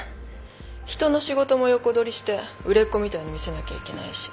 人の仕事も横取りして売れっ子みたいに見せなきゃいけないし。